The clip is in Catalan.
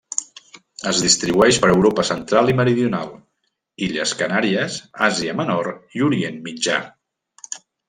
Es distribueix per Europa central i meridional, Illes Canàries, Àsia Menor i Orient Mitjà.